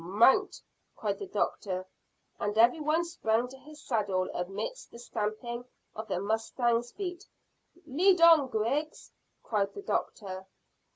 "Mount!" cried the doctor, and every one sprang to his saddle amidst the stamping of the mustangs' feet. "Lead on, Griggs," cried the doctor.